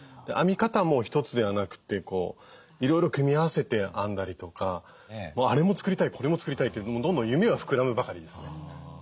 編み方も一つではなくていろいろ組み合わせて編んだりとかあれも作りたいこれも作りたいってどんどん夢は膨らむばかりですね。